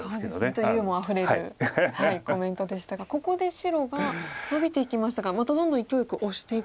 ちょっとユーモアあふれるコメントでしたがここで白がノビていきましたがまたどんどんいきおいよくオシていくのか。